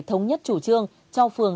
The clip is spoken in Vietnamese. thống nhất chủ trương cho phường